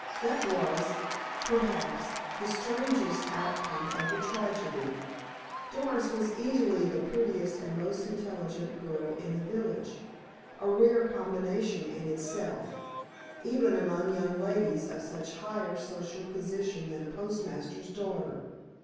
That was, perhaps, the strangest outcome of the tragedy. Doris was easily the prettiest and most intelligent girl in the village, a rare combination in itself, even among young ladies of much higher social position than a postmaster's daughter.